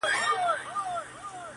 دا چا ويل چي له هيواده سره شپې نه كوم.